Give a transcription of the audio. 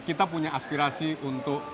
kita punya aspirasi untuk